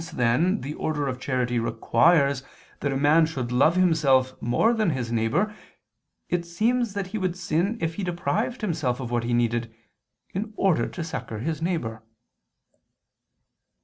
Since, then, the order of charity requires that a man should love himself more than his neighbor, it seems that he would sin if he deprived himself of what he needed, in order to succor his neighbor.